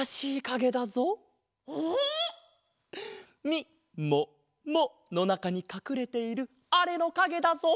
みもものなかにかくれているあれのかげだぞ！